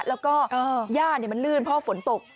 แล้วก็ย่ามันลื่นเพราะฝนตก